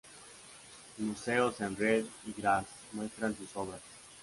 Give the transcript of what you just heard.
Museos en Ried y Graz muestran sus obras.